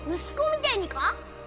息子みてえにか？